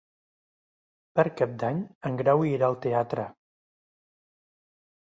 Per Cap d'Any en Grau irà al teatre.